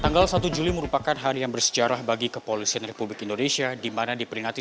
tanggal satu juli merupakan hari yang bersejarah bagi kepolisian republik indonesia dimana diperingati